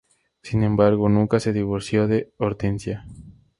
Sin embargo, nunca se divorció de Hortensia.